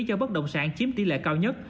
do bất động sản chiếm tỷ lệ cao nhất